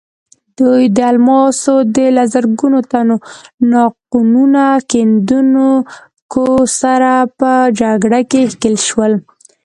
دوی د الماسو له زرګونو تنو ناقانونه کیندونکو سره په جګړه کې ښکېل شول.